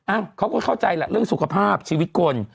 เขาก็เข้าใจแหละเรื่องสุขภาพชีวิตคน